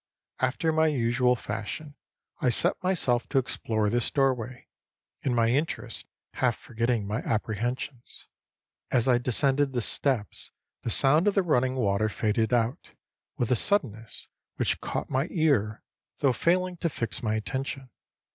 After my usual fashion, I set myself to explore this doorway, in my interest half forgetting my apprehensions. As I descended the steps the sound of the running water faded out, with a suddenness which caught my ear, though failing to fix my attention.